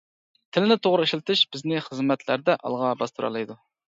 تىلنى توغرا ئىشلىتىش بىزنى خىزمەتلەردە ئالغا باستۇرالايدۇ.